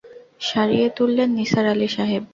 সারিয়ে তুললেন নিসার আলি সাহেব।